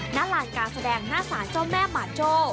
หน้าลานการแสดงหน้าสารเจ้าแม่หมาโจ้